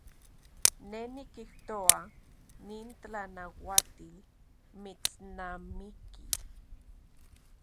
Ne nikijtoa nin tlanauatil mitsnamiki.